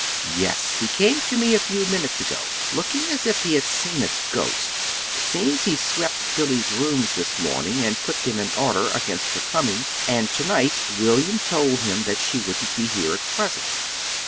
"Yes. He came to me a few minutes ago, looking as if he had seen a ghost. It seems he swept Billy's rooms this morning and put them in order against her coming; and tonight William told him that she wouldn't be here at present.